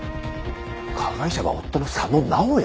加害者は夫の佐野直也！？